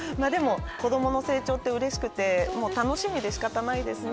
子どもの成長ってうれしくて楽しみで仕方ないですね。